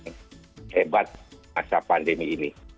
karena tantangan kita adalah menghadapi pandemi covid sembilan belas